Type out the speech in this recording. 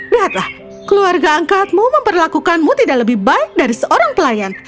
lihatlah keluarga angkatmu memperlakukanmu tidak lebih baik dari seorang pelayan